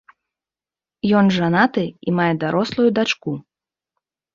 Ён жанаты і мае дарослую дачку.